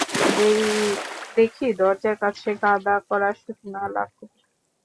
দেখি দরজার কাছে গাদা করা শুকনা লাকড়ি।